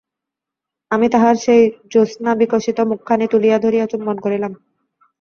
আমি তাহার সেই জ্যোৎস্নাবিকশিত মুখখানি তুলিয়া ধরিয়া চুম্বন করিলাম।